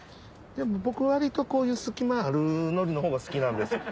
でも僕割とこういう隙間あるのりの方が好きなんです。